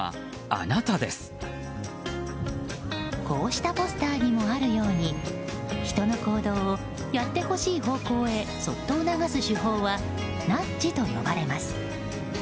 こうしたポスターにもあるように人の行動を、やってほしい方向へそっと促す手法はナッジと呼ばれます。